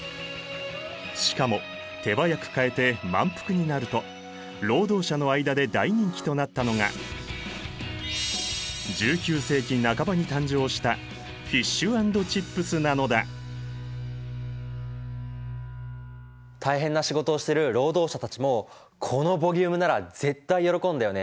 しかも手早く買えて満腹になると労働者の間で大人気となったのが１９世紀半ばに誕生した大変な仕事をしてる労働者たちもこのボリュームなら絶対喜んだよね。